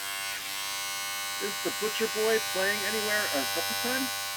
Is The Butcher Boy playing anywhere at supper time?